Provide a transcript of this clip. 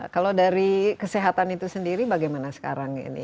kalau dari kesehatan itu sendiri bagaimana sekarang ini